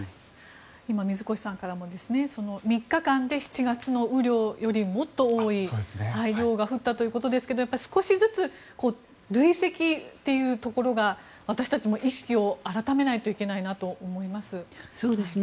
今、水越さんからも３日間で７月の雨量よりもっと多い量が降ったということですけどやっぱり少しずつ累積というところが私たちも意識を改めないといけないなと思います。